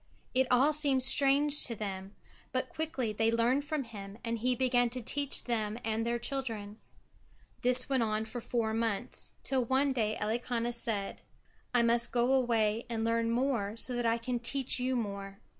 It all seemed strange to them, but quickly they learned from him, and he began to teach them and their children. This went on for four months, till one day Elikana said: "I must go away and learn more so that I can teach you more."